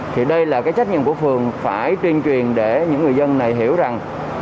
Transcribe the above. thì đây là cái trách nhiệm của phường phải tuyên truyền để những người dân này hiểu rằng